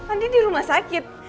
andi di rumah sakit